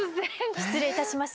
失礼いたします。